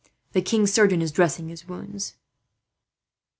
The king's surgeon is dressing his wounds."